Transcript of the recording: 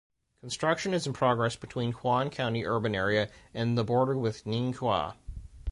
Construction is in progress between Huan County urban area and the border with Ningxia.